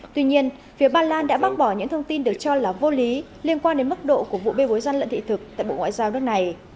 tuy nhiên phía ba lan đã bác bỏ những thông tin được cho là vô lý liên quan đến mức độ của vụ bê bối gian lận thị thực tại bộ ngoại giao nước này